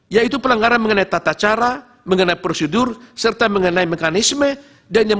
yaitu pelanggaran mengenai tata cara mengenai prosedur serta mengenai mekanisme dan nyaman